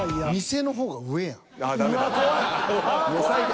店の方が上やん。